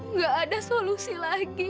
nggak ada solusi lagi